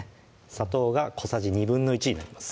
砂糖が小さじ１／２になります